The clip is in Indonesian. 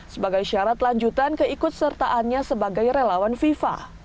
sebagai syarat lanjutan keikut sertaannya sebagai relawan fifa